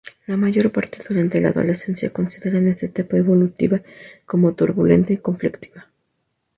La mayor parte durante la adolescencia consideran esta etapa evolutiva como turbulenta y conflictiva.